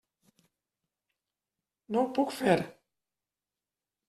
No ho puc fer.